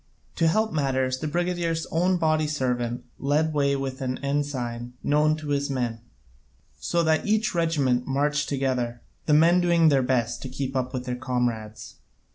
To help matters the brigadier's own body servant led the way with an ensign known to his men, so that each regiment marched together, the men doing their best to keep up with their comrades.